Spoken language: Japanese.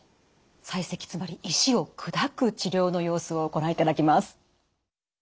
砕石つまり石を砕く治療の様子をご覧いただきます。